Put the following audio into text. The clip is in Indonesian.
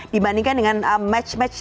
dibandingkan dengan match match